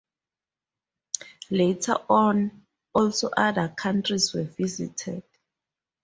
Later on, also other countries were visited.